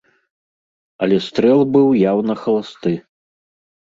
Але стрэл быў яўна халасты.